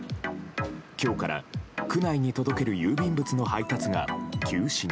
今日から区内に届ける郵便物の配達が休止に。